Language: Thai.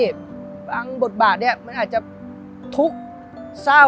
บางบทบาทเนี่ยมันอาจจะทุกข์เศร้า